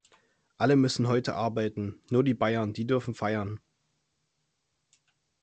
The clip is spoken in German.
Alle müssen heute arbeiten. Nur die Bayern, die dürfen feiern.